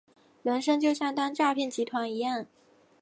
人生就像当诈骗集团一样